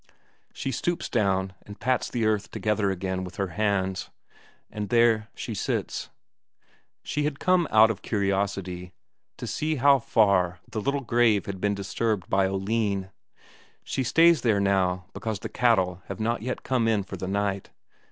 She stoops down and pats the earth together again with her hands. And there she sits. She had come out of curiosity, to see how far the little grave had been disturbed by Oline; she stays there now because the cattle have not yet come in for the night.